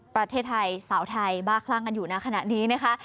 ประเทศไทยสาวไทยบ้าคลั่งกันอยู่นะขณะนี้นะคะ